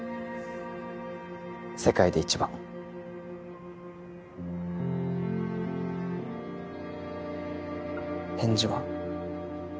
世界で一番返事は？